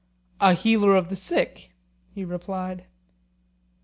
A healer of the sick, he replied.